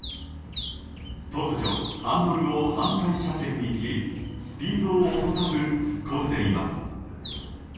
突如、ハンドルを反対車線に切りスピードを落とさず突っ込んでいます。